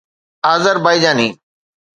Azerbaijani